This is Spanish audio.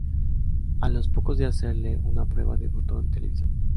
A los pocos días de hacerle una prueba debutó en televisión.